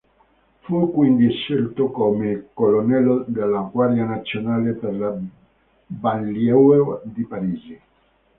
Fu quindi scelto come colonnello della Guardia Nazionale per la "Banlieue" di Parigi.